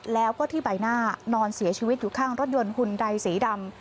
แล้วก็ที่ใบหน้านอนเสียชีวิตอยู่ข้างรถยนต์หุ่นใดสีดำ